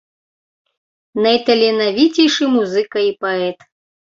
Найталенавіцейшы музыка і паэт.